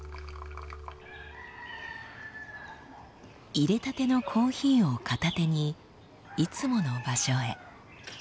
いれたてのコーヒーを片手にいつもの場所へ。